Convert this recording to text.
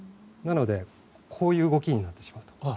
なので、こういう動きになってしまうと。